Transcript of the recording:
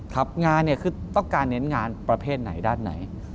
ครับงานเนี่ยคือต้องการเน้นงานประเภทไหนด้านไหน